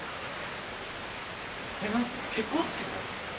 結婚式で？